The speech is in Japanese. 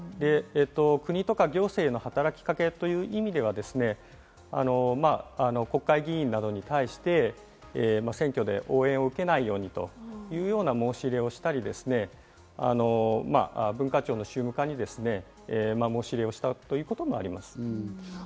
国とか行政の働きかけという意味では、国会議員などに対して選挙で応援を受けないようにというような申し入れをしたり、文化庁の宗務課に申し入れをしたということもあります。